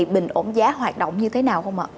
bình ổn giá hoạt động như thế nào không ạ